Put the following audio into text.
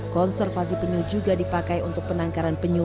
konservasi penyu juga dipakai untuk penangkaran penyu